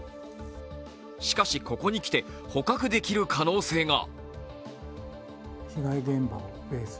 しかし、ここにきて捕獲できる可能性が。